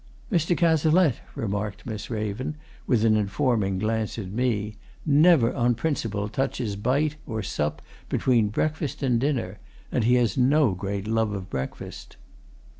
"Mr. Cazalette," remarked Miss Raven, with an informing glance at me, "never, on principle, touches bite or sup between breakfast and dinner and he has no great love of breakfast."